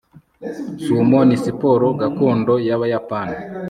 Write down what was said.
sumo ni siporo gakondo y'abayapani